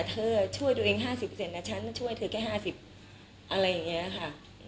เธอช่วยตัวเอง๕๐นะฉันช่วยเธอแค่๕๐อะไรอย่างนี้ค่ะ